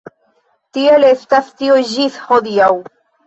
Tiel estas tio ĝis hodiaŭ.